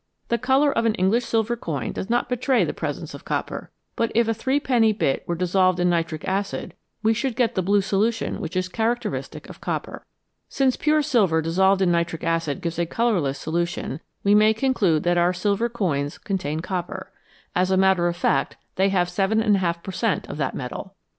The colour of an English silver coin does not betray the presence of copper, but if a three penny bit were dissolved in nitric acid we should get the blue solution which is characteristic of copper. Since pure silver dissolved in nitric acid gives a colourless solution, we may conclude that our silver coins contain copper ; as a matter of fact, they have 7^ per cent, of that metal.